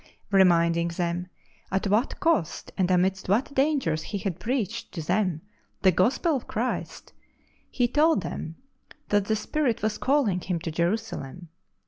Reminding them at what cost and amidst what dangers he had preached to them the Gospel of Christ, he told them that the Spirit 94 LIFE OF ST. PAUL was calling him to J erusalem.